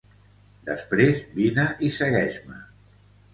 Després vine i segueix-me.